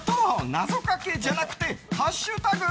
謎かけじゃなくてハッシュタグ！